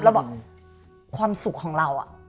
เราบอกความสุขของเรา